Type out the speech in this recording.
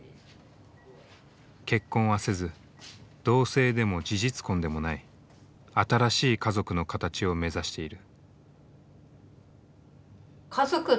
結婚はせず同せいでも事実婚でもない新しい家族の形を目指している。